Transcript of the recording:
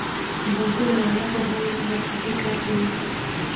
بانکونه د عامه پوهاوي په برخه کې کار کوي.